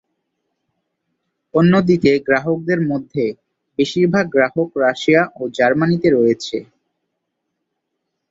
অন্যদিকে গ্রাহকদের মধ্যে বেশিরভাগ গ্রাহক রাশিয়া ও জার্মানিতে রয়েছে।